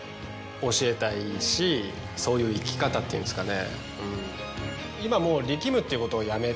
そういう生き方っていうんですかね。